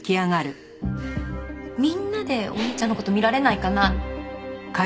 みんなでお兄ちゃんの事見られないかな？